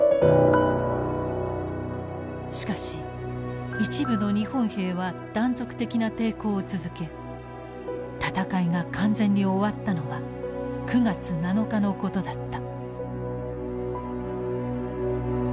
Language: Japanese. しかし一部の日本兵は断続的な抵抗を続け戦いが完全に終わったのは９月７日のことだった。